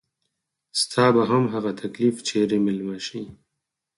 ستا به هم هغه تکليف چري ميلمه شي